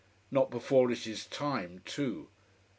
Not before it is time, too.